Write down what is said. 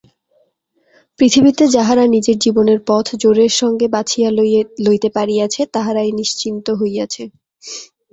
পৃথিবীতে যাহারা নিজের জীবনের পথ জোরের সঙ্গে বাছিয়া লইতে পারিয়াছে তাহারাই নিশ্চিন্ত হইয়াছে।